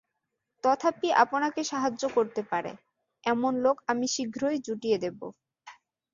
তথাপি আপনাকে সাহায্য করতে পারে, এমন লোক আমি শীঘ্রই জুটিয়ে দেব।